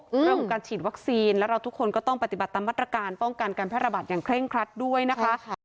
เรื่องของการฉีดวัคซีนแล้วเราทุกคนก็ต้องปฏิบัติตามมาตรการป้องกันการแพร่ระบาดอย่างเร่งครัดด้วยนะคะ